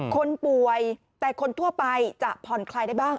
คนป่วยแต่คนทั่วไปจะผ่อนคลายได้บ้าง